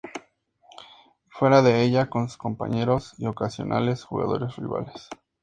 Y fuera de ella, con sus compañeros y ocasionales jugadores rivales.